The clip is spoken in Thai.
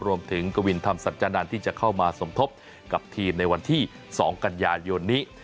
กวินธรรมสัจจานันทร์ที่จะเข้ามาสมทบกับทีมในวันที่๒กันยายนนี้